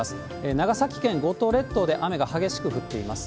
長崎県、五島列島で雨が激しく降っています。